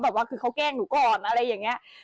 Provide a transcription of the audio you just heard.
แบบว่าเค้าแกล้งหนูก่อนอะไรอย่างเงี้ย